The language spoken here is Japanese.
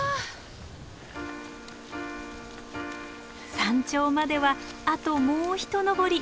山頂まではあともう一登り。